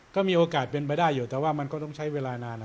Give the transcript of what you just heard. ก็มีโอกาสเป็นไปได้อยู่แต่ว่ามันก็ต้องใช้เวลานาน